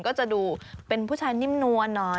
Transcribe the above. ก็จะดูเป็นผู้ชายนิ่มนัวหน่อย